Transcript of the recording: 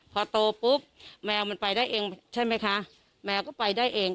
พอโตปุ๊บแมวมันไปได้เองใช่ไหมคะแมวก็ไปได้เอง